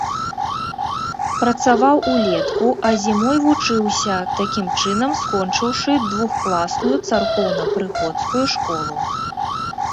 Працаваў улетку, а зімой вучыўся, такім чынам скончыўшы двухкласную царкоўнапрыходскую школу.